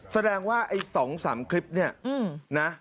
แสดงว่าไอ้๒๓คลิปเนี่ยนะ